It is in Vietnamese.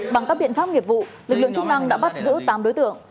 bằng các biện pháp nghiệp vụ lực lượng chức năng đã bắt giữ tám đối tượng